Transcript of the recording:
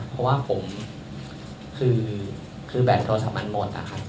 เพราะว่าผมแบ่นโทรศัพท์มันหมด